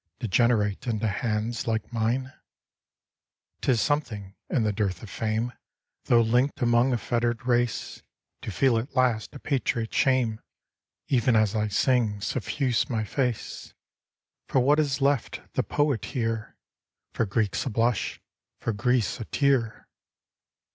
Degenerate into hands like mine ? 'T is something, in the dearth of fame. Though link'd among a fetter'd race, To feel at least a patriot's shame. Even as I sing, sufifuse my face; For what is left the poet here ? For Greeks a blush — for Greece a tear.